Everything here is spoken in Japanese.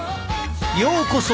ようこそ！